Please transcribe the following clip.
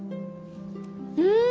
うん。